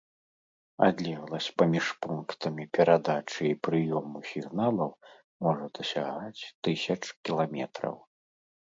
Адлегласць паміж пунктамі перадачы і прыёму сігналаў можа дасягаць тысяч кіламетраў.